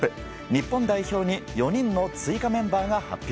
日本代表に４人の追加メンバーが発表。